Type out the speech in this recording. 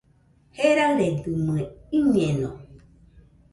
Jeraɨredɨmɨe, iñeno